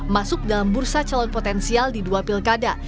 masuk dalam bursa calon potensial di dua pilkada